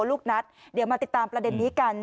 ลูกนัดเดี๋ยวมาติดตามประเด็นนี้กัน